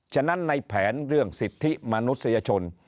ฉะนั้นในแผนเรื่องสิทธิมนุษยชน